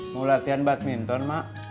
mau latihan badminton mak